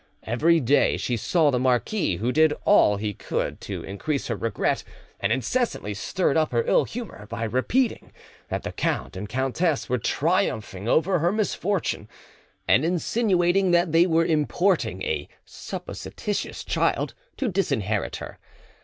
Every day she saw the marquis, who did all he could to increase her regret, and incessantly stirred up her ill humour by repeating that the count and countess were triumphing over her misfortune, and insinuating that they were importing a supposititious child to disinherit her.